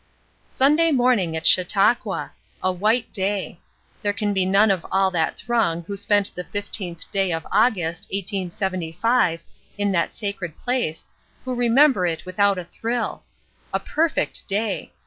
Sunday morning at Chautauqua! A white day. There can be none of all that throng who spent the 15th day of August, 1875, in that sacred place, who remember it without a thrill. A perfect day!